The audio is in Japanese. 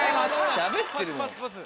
しゃべってるもん。